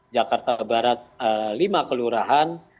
jakarta barat lima kelurahan